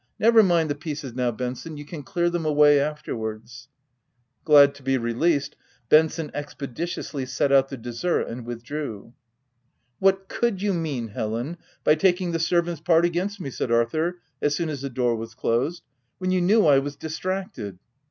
Never mind the pieces now, Ben son, you can clear them away afterwards." Glad to be released, Benson expeditiously set out the dessert and withdrew. "What could you mean, Helen, by taking the servant's part against me/' said Arthur, as soon as the door was closed, " when you knew I was distracted